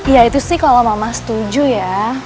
ya itu sih kalau mama setuju ya